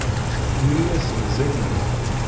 Yuli wass mazal-iyi.